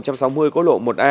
trong ngày hai mươi bốn tháng hai